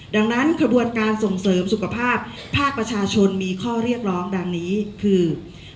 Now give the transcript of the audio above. ดังนั้นขบวนการส่งเสริมสุขภาพภาคประชาชนมีข้อเรียกร้องดังนี้คือ